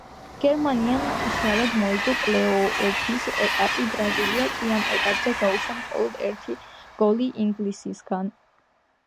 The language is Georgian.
გერმანიამ მშრალად მოიგო პლეი-ოფის ეტაპი, ბრაზილია კი ამ ეტაპზე გაუშვა მხოლოდ ერთი გოლი ინგლისისგან.